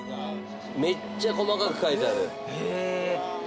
めっちゃ細かく描いてある。